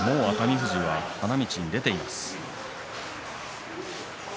富士は、もう花道に出ています。